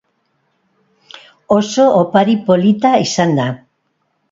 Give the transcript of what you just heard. Oso opari polita izan da.